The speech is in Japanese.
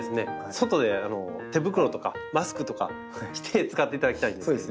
外で手袋とかマスクとかして使っていただきたいんですけども。